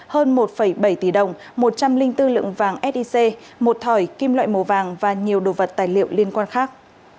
hơn một bảy tỷ đồng một trăm linh bốn lượng vàng sic một thỏi kim loại màu vàng và nhiều đồ vật tài liệu liên quan khác